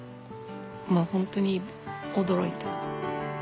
まあ本当に驚いた。